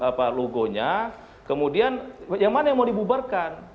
ada yang memiliki logo nya kemudian yang mana yang mau dibubarkan